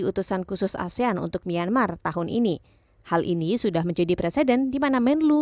utusan khusus asean untuk myanmar tahun ini hal ini sudah menjadi presiden dimana menlu